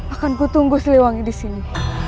akanku tunggu slewangi disini